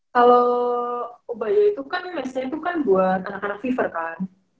kalau ubaya itu kan mes nya itu kan buat anak anak fever kan